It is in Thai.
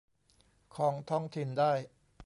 ของท้องถิ่นได้